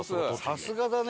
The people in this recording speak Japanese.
さすがだね。